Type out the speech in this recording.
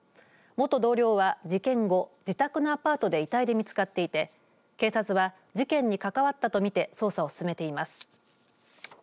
元同僚は、事件後自宅のアパートで遺体で見つかっていて警察は事件に関わったとみて捜査を進めています。